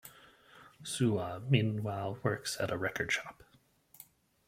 Soo-ah meanwhile works at a record shop.